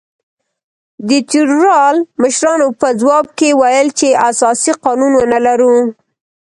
د تیورال مشرانو په ځواب کې ویل چې اساسي قانون ونه لرو.